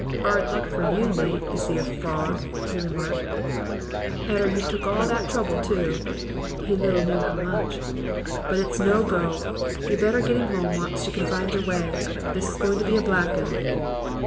"''Ard luck for you, mate, this 'ere fog,' he remarked, 'arter you've took all that trouble, too.' (He little knew how much.) 'But it's no go. You'd better git 'ome whilst you can find yer way. This is goin' to be a black 'un.'